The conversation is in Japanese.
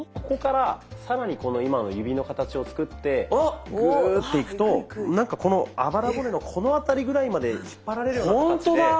ここから更にこの今の指の形を作ってグーッていくとなんかこのあばら骨のこの辺りぐらいまで引っ張られるような形で。